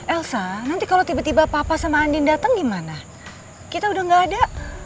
elsa nanti kalau tiba tiba papa sama andin datang gimana kita udah gak ada